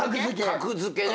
『格付け』ね。